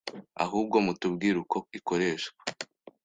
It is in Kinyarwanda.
ahubwo mutubwire uko ikoreshwa